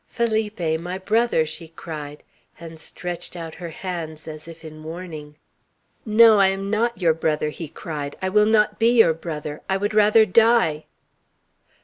"Felipe! My brother!" she cried, and stretched out her hands as if in warning. "No! I am not your brother!" he cried. "I will not be your brother! I would rather die!"